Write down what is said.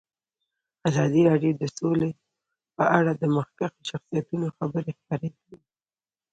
ازادي راډیو د سوله په اړه د مخکښو شخصیتونو خبرې خپرې کړي.